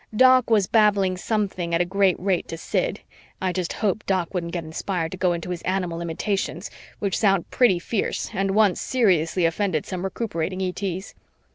Doc was babbling something at a great rate to Sid I just hoped Doc wouldn't get inspired to go into his animal imitations, which sound pretty fierce and once seriously offended some recuperating ETs.